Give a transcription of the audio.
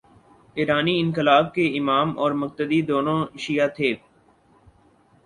ایرانی انقلاب کے امام اور مقتدی، دونوں شیعہ تھے۔